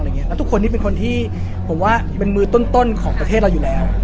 แล้วทุกคนนี้เป็นคนที่ผมว่าเป็นมือต้นของประเทศเราอยู่แล้ว